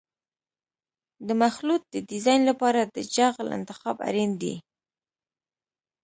د مخلوط د ډیزاین لپاره د جغل انتخاب اړین دی